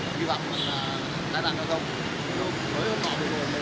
nói hôm đó bây giờ này cũng không có không có cái cơ bản